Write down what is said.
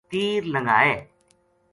تیر لنگھا ئے